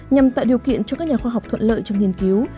nhằm tạo điều kiện cho các nhà khoa học thuận lợi trong nghiên cứu